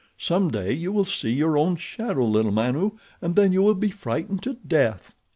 Some day you will see your own shadow, little Manu, and then you will be frightened to death."